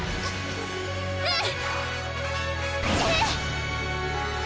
うん！